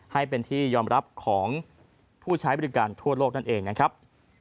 ให้เป็นที่ยอมรับของผู้ใช้บริการทั่วโลกนั่นเองนะครับ